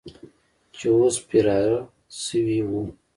چې اوس فراره سوي وو.